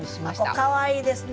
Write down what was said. かわいいですね